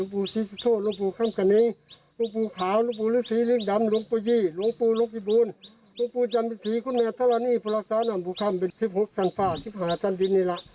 พระราชาวนำบุคคัมเป็น๑๖ศฟ๑๕ศศนี้ละ